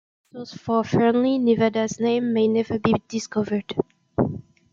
The source for Fernley, Nevada's, name may never be discovered.